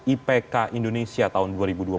ipk indonesia tahun dua ribu dua puluh